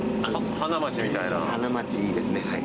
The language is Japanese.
花街ですねはい。